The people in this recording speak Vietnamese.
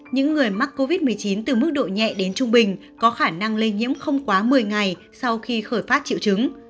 những người mắc covid một mươi chín từ mức độ nhẹ đến trung bình có khả năng lây nhiễm không quá một mươi ngày sau khi khởi phát triệu chứng